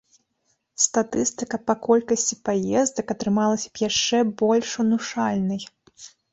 Статыстыка па колькасці паездак атрымалася б яшчэ больш унушальнай.